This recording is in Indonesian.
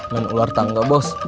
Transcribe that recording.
menular tangga bos